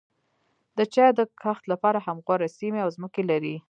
د چای د کښت لپاره هم غوره سیمې او ځمکې لري.